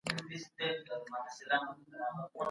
د اورګاډي پټلۍ څنګه د دواړو هېوادونو پولي سره نښلوي؟